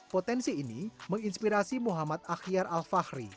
potensi ini menginspirasi muhammad akhyar al fahri